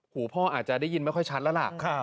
พ่ออาจจะได้ยินไม่ค่อยชัดแล้วล่ะ